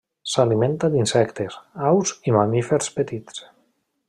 S'alimenta d'insectes, aus i mamífers petits.